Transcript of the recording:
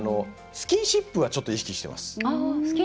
スキンシップはちょっと意識してます。